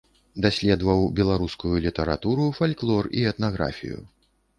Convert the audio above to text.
Даследаваў беларускую літаратуру, фальклор і этнаграфію.